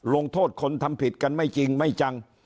ลงโทษคนทำผิดกันไม่จริงไม่จัง